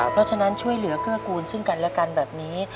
เพราะฉะนั้นช่วยเหลือเกื้อกูลซึ่งกันและกันแบบนี้